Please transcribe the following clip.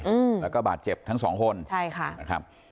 อืมแล้วก็บาดเจ็บทั้งสองคนใช่ค่ะนะครับ